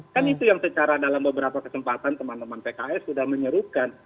kan itu yang secara dalam beberapa kesempatan teman teman pks sudah menyerukan